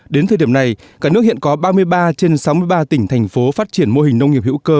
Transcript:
đến thời điểm này cả nước hiện có ba mươi ba trên sáu mươi ba tỉnh thành phố phát triển mô hình nông nghiệp hữu cơ